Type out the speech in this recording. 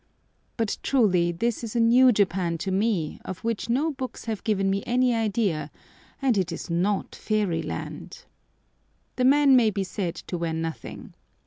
But truly this is a new Japan to me, of which no books have given me any idea, and it is not fairyland. The men may be said to wear nothing.